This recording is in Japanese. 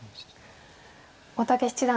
大竹七段